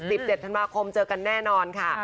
๑๗ธันมาคมเจอกันแน่นอนค่ะ